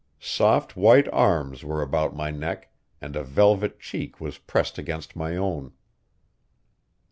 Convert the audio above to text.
Soft white arms were about my neck, and a velvet cheek was pressed against my own.